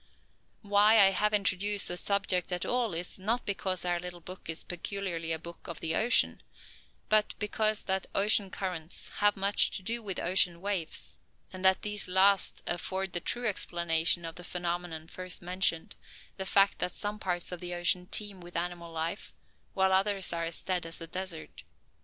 Why I have introduced the subject at all is, not because our little book is peculiarly a book of the ocean, but, because that ocean currents have much to do with "Ocean Waifs," and that these last afford the true explanation of the phenomenon first mentioned, the fact that some parts of the ocean teem with animal life, while others are as dead as a desert.